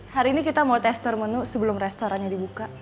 hari ini kita mau tester menu sebelum restorannya dibuka